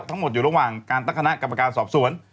ทั้งหมดอยู่ระหว่างการตั้งคณะกรรมการสอบสวน